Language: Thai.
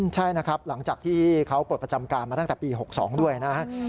ใช่นะครับหลังจากที่เขาปลดประจำการมาตั้งแต่ปี๖๒ด้วยนะครับ